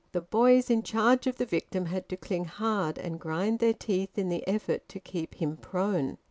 The boys in charge of the victim had to cling hard and grind their teeth in the effort to keep him prone.